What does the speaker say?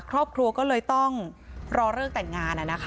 ครอบครัวก็เลยต้องรอเลิกแต่งงาน